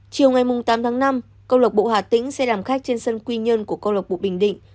chiều ngày tám tháng năm câu lộc bộ hạ tĩnh sẽ làm khách trên sân quy nhân của câu lộc bộ bình định